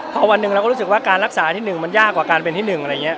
พอวันหนึ่งเราก็รู้สึกว่าการรักษาอันที่๑มันยากกว่าการเป็นที่๑อะไรอย่างนี้